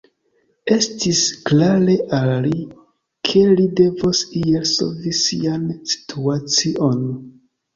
Estis klare al li, ke li devos iel solvi sian situacion.